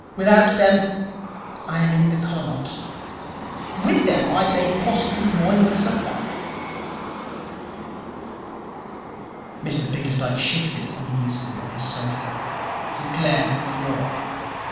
Without them I am in the cart. With them I may possibly buoy myself up.' Mr Bickersdyke shifted uneasily on his sofa. He glared at the floor.